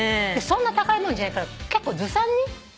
そんな高いもんじゃないから結構ずさんに丁寧に扱わなくても。